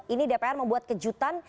ini dpr membuat kejutan